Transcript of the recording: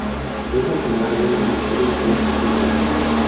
Es la primera vez en la historia que esto se verifica.